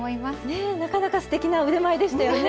ねえなかなかすてきな腕前でしたよね？